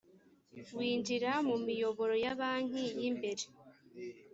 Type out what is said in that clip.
winjira mu miyoboro ya banki y imbere